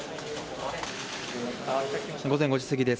午前５時すぎです。